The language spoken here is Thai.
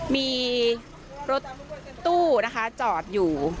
มีรถตู้นะคะจอดอยู่